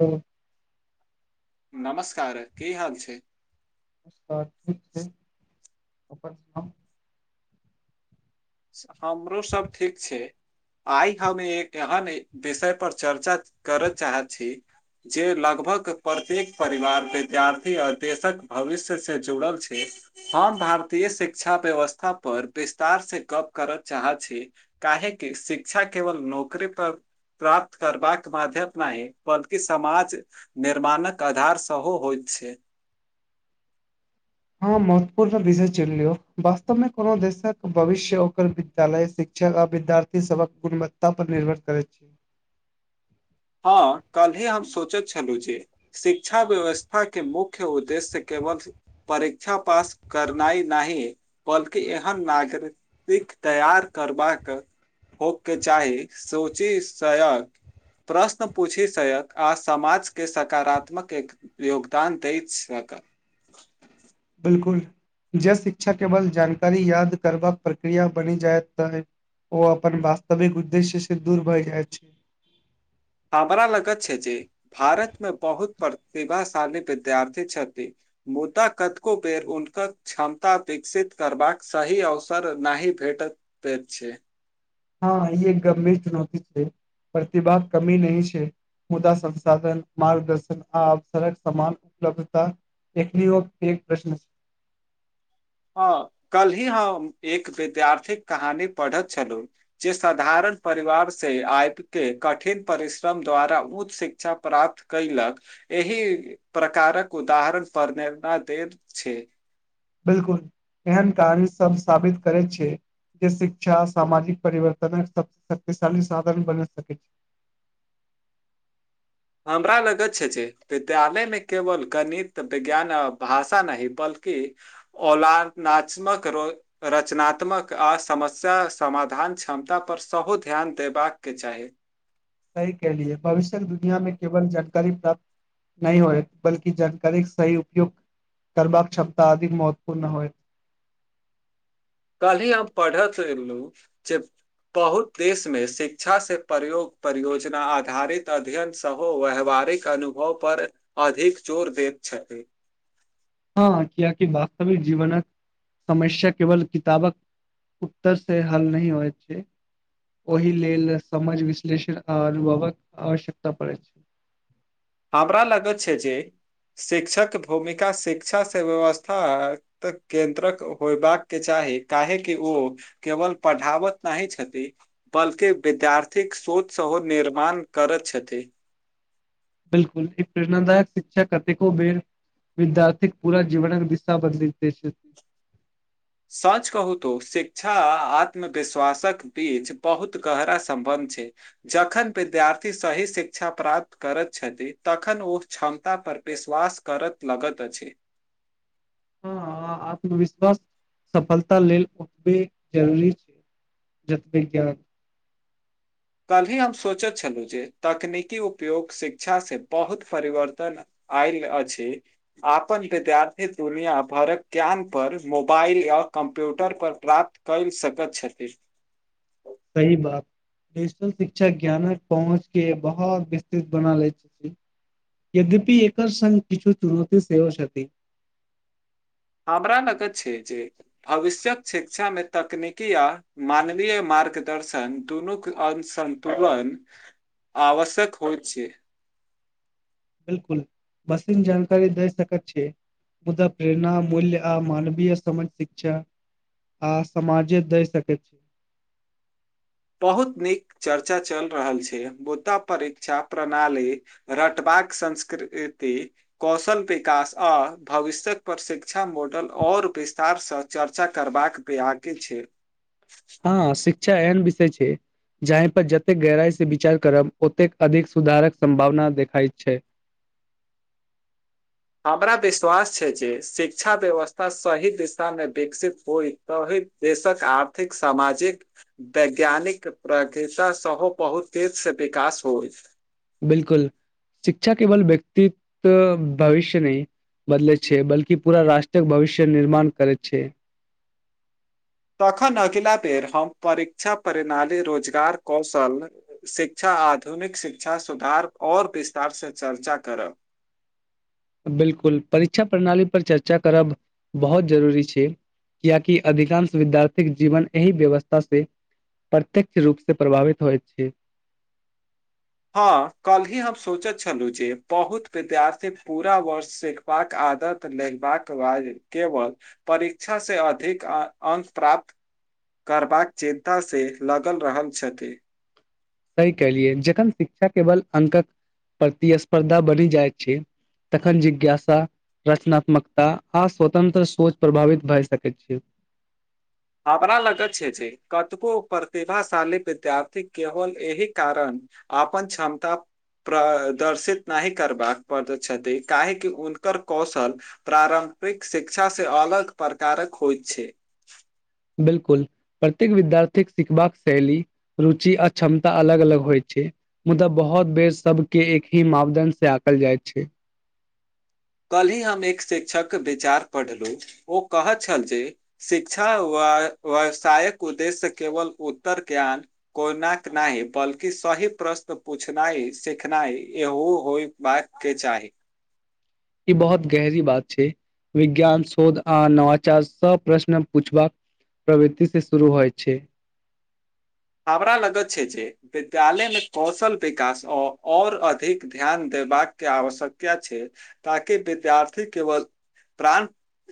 ह। नमस्कार क हाल छै। उसपाद [unintelligible] [inaudible] ओकरर [unintelligible] हमरो सब ठीक छै। आइ हम एक एहन विषय पर चर्चा करय चाहैत छी। जे लगभग प्रत्येक परिवार विद्यार्थी आ देशक भविष्य से जुड़ल छै। हँ भारतीय शिक्षा व्यवस्था पर विस्तार से गप करऽ चाह छी। काहेक शिक्षा केवल नौकरी पर प्राप्त करबाके माध्यम नहि है, बल्कि समाज निर्माणक आधार सेहो होइत छै। हँ महत्वपूर्ण विषय चुन लियौ, वास्तवमे कोनो देशक भविष्य ओकर विद्यालय शिक्षक आ विद्यार्थी सबक गुणवत्ता पर निर्भर करे छै। हँ कल्हे हम सोचैत छलहुँ। जे शिक्षा व्यवस्था के मुख्य ऊदेस से केवल परीक्षा पास करनाई नहि बल्कि एहन नागरिक दिख तैयार करबाक होके चाही सोची सयक प्रश्न पूछि सयक आ समाज के सकारात्मक एक योगदान दै सकत। बिलकुल ज शिक्षा केवल जानकारी याद करबाक प्रक्रिया बनी जायत त। ओ अपन वास्तविक उद्देश्य से दूर भय जाइत छै। हमरा लगत छै जे भारत मे बहुत प्रतिभाशाली विद्यार्थी छथि। मुदा कतेको बेर हुनक क्षमता विकसित करबाक सही अवसर नहि भेटत। पे छै। हँ ई एक गंभीर चुनौती छै। प्रतिभा कमी नहि छै। मुदा संसाधन, मारगदर्शन आ असरक सान उपलब्धता एकनी ओ एक प्रश्न ह कल ही हम एक विद्यार्थीक कहानी पढ़त छलु। जे साधारण परिवार से आएब के कठिन परिश्रम द्वारा उच्च शिक्षा प्राप्त कैलक एहि प्रकारक उदाहरण परनेरना देत छै। बिलकुल एहन कहानी सब साबित करैत छै। जे शिक्षा सामाजिक परिवर्तन सब शक्तिशाली साधन बन सकैत छै। हमरा लगैत छै। जे विद्यालय मे केवल गणित, विज्ञान आ भाषा नहि बल्कि औलार नाचमक रो रचनात्मक आ समस्या समाधान क्षमता पर सहो ध्यान देबाक चाही। छै सही केेहलिये भविष्यक दुनियामे केवल जट कहि प्राप्त नहि होय बल्कि जानकारी सही उपयोग करबाक छमता अधिक महत्वपूर्ण होए। कल्हि हम पढ़त एलु जे बहुत देशमे शिक्षा से प्रयोग परियोजना आधारित अध्ययन सहो व्यावहारिक अनुभव पर अधिक जोर देैत छथि हँ कियेकि वास्तविक जीवनक समस्या केवल किताबक उत्तर से हल नही होयत छय ओहि लेल समझ विश्लेषण आ अनुभवक आवश्यकता पड़ैत छै‌ हमरा लगत छै जे शिक्षक भूमिका शिक्षा से व्यवस्था तऽ केन्द्रक होयबाक के चाही काहेकि ओ केवल पढ़ावत नाहि छथि। बल्कि विद्यार्थीक सोच सेहो निर्माण करैत छथि बिलकुल एक प्रेरणादायक शिक्षा कतेको बेर विद्यार्थिक पूरा जीवनक दिशा बदलैत अछि। सच कहू तो शिक्षा आत्मविश्वासक बीच बहुत गहरा सम्बन्ध छै जखन विद्यार्थी सही शिक्षा प्राप्त करैत छथि तखन ओ क्षमता पर विश्वास करत लगत अछि। हँ आत्मविश्वास सफलता लेल ओतबै जरूरी छै जतै ज्ञान कल्हि हम सोचैत छलु जे तकनीकी उपयोग शिक्षा से बहुत परिवर्तन आइल अछि। अपन विद्यार्थी दुनिया भरक ज्ञान पर मोबाइल आ कम्प्यूटर पर प्राप्त कए सकत छथि। सही बात डिजिटल शिक्षा ज्ञानक पहुँच के बहोत विस्तृत बना लैत छय यद्यपि एकर संग किछु चुनौती सेहो छथि हमरा लगत छै जे भविष्यक शिक्षा मे तकनीकी या मानवीय मार्गदर्शन दुनूक अनसन्तुलन आवश्यक होएत छै बिलकुल वास्तविक जानकारी दै सकैत छै। मुदा प्रेरणा मूल्य आ मानबीय समझ शिक्षा आ समाजे दय सकैत छै। बहुत नीक चर्चा चल रहल छै बोता परीक्षा प्रणाली रटबाक संस्कृति कौशल बिकास आ भविष्यत पर शिक्षा मॉडल और विस्तार स चर्चा करबाक प्रयागै छै हां, शिक्षा एहन विषय छैय। जाहि पर जतेक गहराई से विचार करब ओतेक अधिक सुधारक सम्भावना देखाय छै। हमरा विश्वास छै, जे शिक्षा व्यवस्था सही दिशामे विकसित होइ तहि देशक आर्थिक सामाजिक वैज्ञानिक प्र सेहो बहुत तेज से विकास होइ। बिलकुल शिक्षा केवल व्यक्तित के भविष्य नै बदलै छै, बल्कि पूरा राष्ट्रक भविष्य निर्माण करै छै। तखन अगिला बेर हम परीक्षा प्रणाली रोजगार कौशल शिक्षा आधुनिक शिक्षा सुधार और विस्तार से चर्चा करब। बिलकुल परीक्षा प्रणाली पर चर्चा करब बहुत जरूरी छैय। कियकि अधिकांश विद्यार्थीके जीवन एहि व्यवस्था से प्रत्यक्ष रूप से प्रभावित होइत छी। हां, कल्हि हम सोचैत छलु, जे बहुत विद्यार्थी पूरा वर्ष से लेबाक आदत लेबाक बाद केवल परीक्षा से अधिक अ अंक प्राप्त करबाक चिन्ता से लगल रहल छथि। सही केहलिये जखन शिक्षा केवल अंकक प्रतिस्पर्धा बनि जाइ छै। तखन जिज्ञासा रचनात्मकता आ स्वतंत्र सोच प्रभावित भए सकैय छै। हमरा लगैत छै, जे कतको प्रतिभाशाली विद्यार्थी केवल एहि कारण अपन क्षमता प्रदर्शित नाहि करबाक पड़ छथि काहेकि हुनकर कौशल प्रारम्परिक शिक्षा से अलग प्रकारक होइत छै। बिल्कुल। प्रत्येक विद्यार्थीके सिखबाक शैली रुचि आ क्षमता अलग-अलग होइ छैय। मुदा बहुत बेर सबके एक ही मापदंड से आकल जाइ छै। कल ही हम एक शिक्षक विचार पढ़लहुं, ओ कहैत छल जे शिक्षा व वसायक उद्देश्य केवल उत्तर ज्ञान कोइनाक नाहि बल्कि सही प्रश्न पूछनाइ सिखनाइ ए होई बात के चाहि। ई बहुत गहरी बात छैय, विज्ञान शोध आ नवाचार सब प्रश्न पूछबाक प्रवृति से शुरू होइ छैय। हमरा लगत छैय, जे विद्यालय मे कौशल विकास आओर अधिक ध्यान देबाक के आवश्यका छैय। ताकि विद्यार्थी केवल प्राण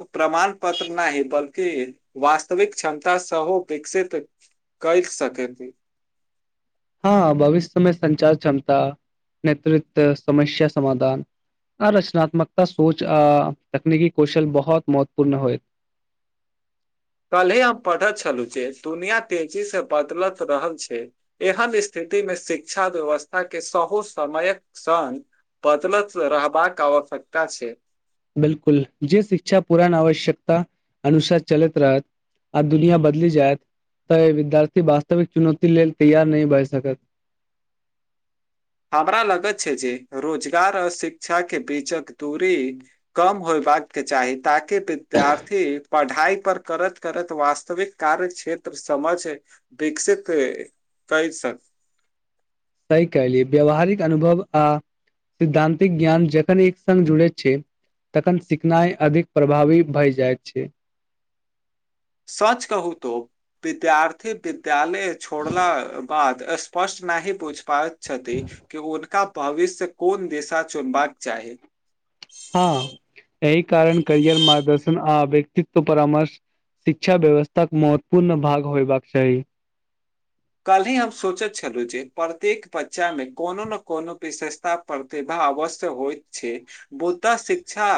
प्रमाण पत्र नाहि बल्कि वास्तविक क्षमता सेहो विकसित कइ सकैते हां, भविष्यमे संचार क्षमता नेतृत्व समस्या समाधान आ रचनात्मकता सोच आ तकनीकी कौशल बहुत महत्वपूर्ण होय। कल्हे हम पढ़ैत छलहुँ, जे दुनिया तेजी से बदलत रहल छै। एहन स्थितिमे शिक्षा व्यवस्था के सहो समयक संग बदलत रहबाक आवश्यकता छेय। बिलकुल, जे शिक्षा पुरान आवश्यकता अनुसार चलैत रहत। आ दुनिया बदली जायत तऽ विद्यार्थी वास्तविक चुनौती लेल तैयार नै भए सकत। हमरा लगत छैय, जे रोजगार आ शिक्षा के बीचक दूरी कम होयबाक चाही ताकि विद्यार्थी पढ़ाइ पर करत करत वास्तविक कार्य क्षेत्र समझ विकसित कहि सकत सही कहलियै व्यावहारिक अनुभव आ सैद्धान्तिक ज्ञान जखन एक संग जुड़ै छै तखन सिखनाइ अधिक प्रभावी भय जाय छै। सच कहू तं विद्यार्थी विद्यालय छोड़ला बाद स्पष्ट नहि बूझ पाइत छथि कि हुनका भविष्य कोन दिशा चुनबाक चाही। हँ, एहि कारण करियर मारगदर्शन आ व्यक्तित्व परामर्श शिक्षा व्यवस्थाक महत्वपूर्ण भाग होयबाक चाही। काल्हि हम सोचैत छलहुँ जे प्रत्येक बच्चा मे कोनो ने कोनो विशेषता प्रतिभा अवश्य होइत छै बूता शिक्षा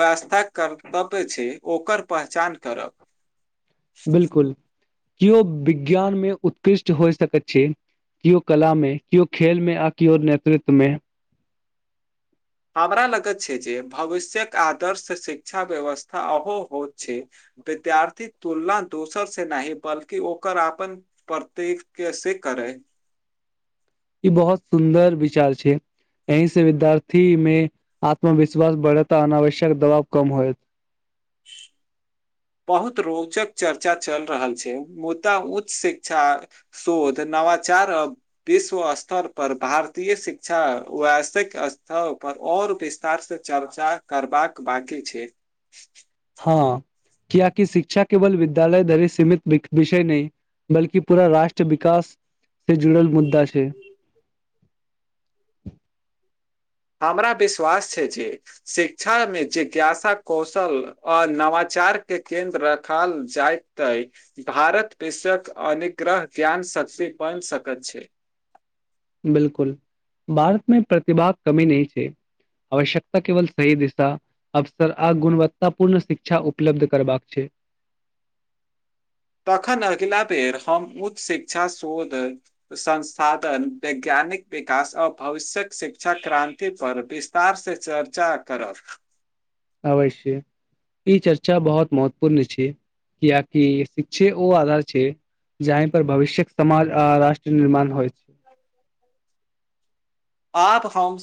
व्यस्था कर्तव्य छै ओकर पहचान करब। बिलकुल, कियो विज्ञान मे उत्कृष्ट हो सकैत छै कियो कला में, कियो खेल में आ कियो नेतृत्व मे। हमरा लगैत छै जे भविष्य्यक आदर्श शिक्षा व्यवस्था ओहो होत छै विद्यार्थीक तुलना दोसर से नहि बल्कि ओकर अपन प्रत्येक कैसे करै ई बहुत सुन्दर विचार छै। एहि से विद्यार्थी में आत्मविश्वास बढ़त आ अनावश्यक दबाव कम होयत। [inaudible] बहुत रोचक चर्चा चलि रहल छै, मुदा उच्च शिक्षा शोध, नवाचार अब विश्व स्तर पर भारतीय शिक्षा, वैश्विक स्तर पर और विस् तार से चर्चा करबाक बाकी छै। हँ कियाकि शिक्षा केवल विद्यालय धरि सीमित विषय नहि बल्कि पूरा राष्ट्र विकास से जुड़ल मुद्दा छै। हमरा विश्वास छै जे शिक्षा मे जिज्ञासा कौशल आ नवाचार के केंन्द्र राखल जाय त त भारत विश्वक अनुग्रह ज्ञान शक्ति बनि सकैत छै। बिलकुल, भारतमे प्रतिभाक कमी नहि छै। आवश्यकता केवल सही दिशा अवसर आ गुणवत्ता पूर्ण शिक्षा उपलब्ध करबाक छै। तखन अगिला बेर हम उच्च शिक्षा शोध संसाधन, वैज्ञानिक विकास आर भविष्यक शिक्षा क्रान्ति पर विस् तार से चर्चा करब। अवश्य, ई चर्चा बहुत महत्वपूर्ण छै। कियाकि शिक्षे ओ आधार छै जाहिं पर भविष्यक समाज आ राष्ट्र निर्माण होइत। आज हम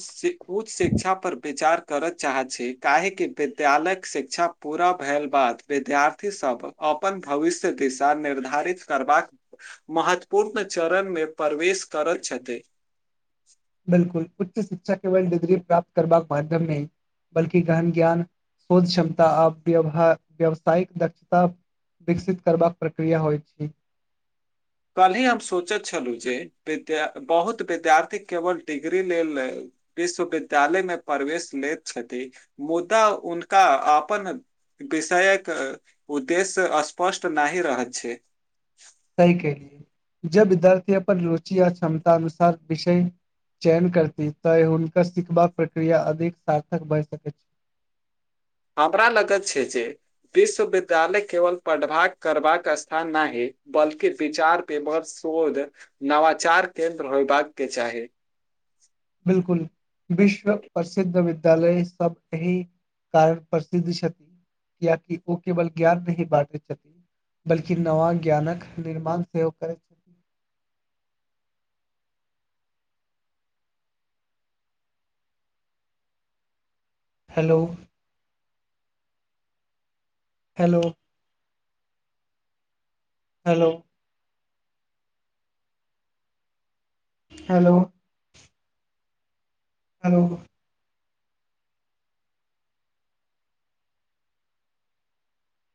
उच्च शिक्षा पर विचार करय चाहै छी काहे कि विद्यालय शिक्षा पूरा भेल बाद विद्यार्थी सब अपन भविष्य दिशा निर्धारित करबाक महत्वपूर्ण चरण मे प्रवेश करैत छथि। बिलकुल उच्च शिक्षा केवल डिग्री प्राप्त करबाक माध्यम नहि बल्कि गहन ज्ञान, शोध क्षमता आ व्य व्यावसायिक दक्षता विकसित करबाक प्रक्रिया होइ छी। कलहिय हम सोचैत छलहु जे विद्या बहोत विद्यार्थी केवल डिग्री लेल। विश्वविद्यालय मे प्रवेश लेत छथि मुद्दा उनका आपन। विषयक उद्देश्य अस्पष्ट नाहि रहैत छै। सही के लिय जब विद्यार्थी अपन रुचि य क्षमता अनुसार विषय। चेयन करती तैँ हुनकर सिखबाक प्रक्रिया अधिक सार्थक भए सकैत छै। हमरा लगत छै जे विश्वविद्यालय केवल पढ़बाक करबाक स्थान नाही। बल्कि विचार विमर शोध नवाचार केन्द्र होयबाक के चाही। बिलकुल विश्व प्रसिद्ध विद्यालय सब यहि कार प्रसिद्ध छथि किया कि ओ केवल ज्ञान नहि बाँटै छथि। बल्कि नवा ज्ञानक निर्माण सेहो करैत। छथि hello. Hello. Hello. Hello. Hello.